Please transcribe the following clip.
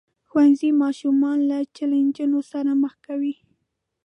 ښوونځی ماشومان له چیلنجونو سره مخ کوي.